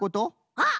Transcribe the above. あっ！